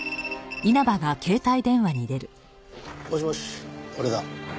もしもし俺だ。